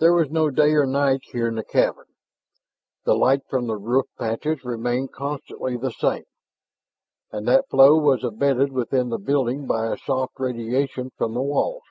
There was no day or night here in the cavern. The light from the roof patches remained constantly the same, and that flow was abetted within the building by a soft radiation from the walls.